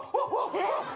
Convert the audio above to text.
えっ？